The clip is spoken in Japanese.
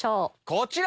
こちら。